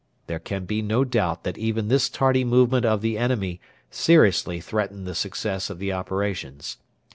There can be no doubt that even this tardy movement of the enemy seriously threatened the success of the operations.